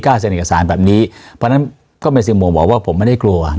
เซ็นเอกสารแบบนี้เพราะฉะนั้นก็เป็นสิ่งโม่งบอกว่าผมไม่ได้กลัว